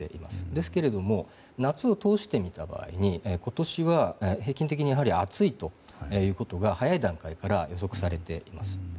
ですけれど夏を通してみた場合に今年は平均的にやはり暑いということが早い段階から予測されています。